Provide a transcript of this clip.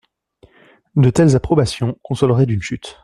De telles approbations consoleraient d’une chute.